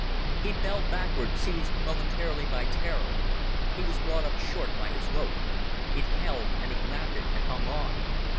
He fell backward, seized momentarily by terror. He was brought up short by his rope. It held, and he grabbed it and hung on.